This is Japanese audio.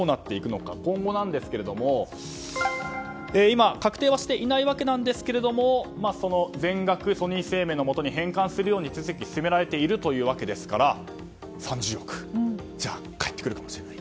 今後なんですが今、確定はしていないんですがその全額ソニー生命のもとに返還するように手続きが進められているというわけですから３０億円がじゃあ、返ってくるかもしれない。